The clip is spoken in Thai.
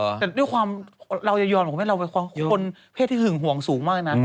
แต่ด้วยความเราจะยอมของคุณแม่เราเป็นคนเพศที่หึงห่วงสูงมากนะ